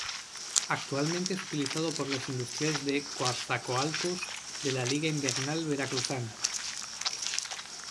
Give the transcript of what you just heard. Actualmente es utilizado por los Industriales de Coatzacoalcos de la Liga Invernal Veracruzana.